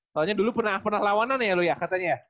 soalnya dulu pernah lawanan ya lo ya katanya